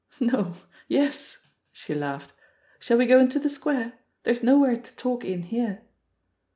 "No — ^yes," she laughed. "Shall we go into the Square? — ^there's nowhere to talk in here."